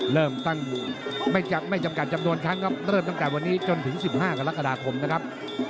เริ่มตั้งไม่จำกัดจำนวนครั้งครับเริ่มตั้งแต่วันนี้จนถึง๑๕กรกฎาคมนะครับ